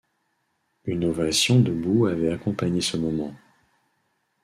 Une ovation debout avait accompagné ce moment.